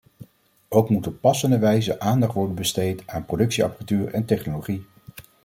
Ook moet op passende wijze aandacht worden besteed aan productieapparatuur en technologie.